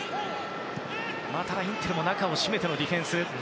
インテルも中を締めてのディフェンス。